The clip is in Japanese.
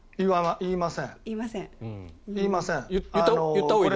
言いません。